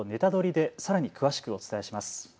でさらに詳しくお伝えします。